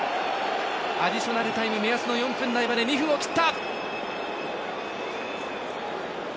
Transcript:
アディショナルタイム目安の４分内まで２分を切った！